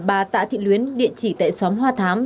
bà tạ thị luyến địa chỉ tại xóm hoa thám